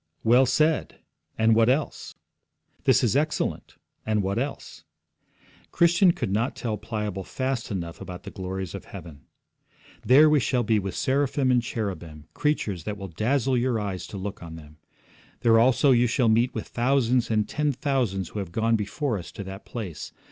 'Well said; and what else? This is excellent; and what else?' Christian could not tell Pliable fast enough about the glories of heaven. 'There we shall be with seraphim and cherubim, creatures that will dazzle your eyes to look on them. There also you shall meet with thousands and ten thousands who have gone before us to that place.